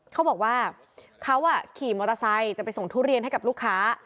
เขาบอกว่าเขาขี่มอเตอร์ไซค์จะไปส่งทุเรียนให้กับลูกค้า